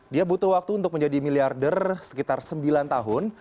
dia butuh waktu untuk menjadi miliarder sekitar sembilan tahun